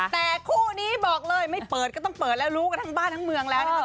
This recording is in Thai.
แต่คู่นี้บอกเลยไม่เปิดก็ต้องเปิดแล้วรู้กันทั้งบ้านทั้งเมืองแล้วนะคะ